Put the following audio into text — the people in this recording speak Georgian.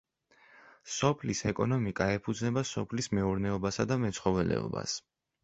სოფლის ეკონომიკა ეფუძნება სოფლის მეურნეობასა და მეცხოველეობას.